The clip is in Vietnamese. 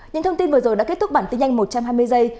những thông tin vừa rồi đã kết thúc bản tin nhanh một trăm hai mươi giây